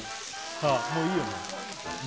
もういいよね？